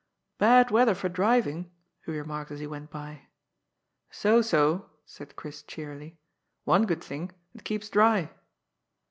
" Bad weather for driving," he remarked as he went by. " So, so," said Chris cheerily. " One good thing, it keeps dry."